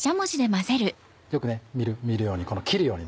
よく見るように切るように。